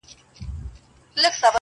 مرور له پلاره ولاړی په غصه سو,